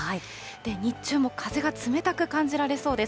日中も風が冷たく感じられそうです。